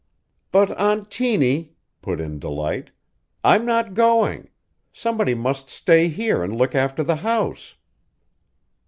"But Aunt Tiny," put in Delight, "I'm not going. Somebody must stay here and look after the house."